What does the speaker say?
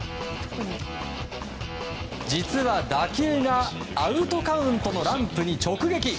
実は、打球がアウトカウントのランプに直撃。